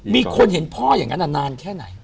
มีคนเห็นพ่ออย่างนั้นนานแค่ไหน